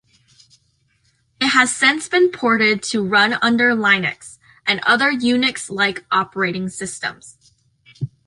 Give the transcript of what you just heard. It has since been ported to run under Linux, and other Unix-like operating systems.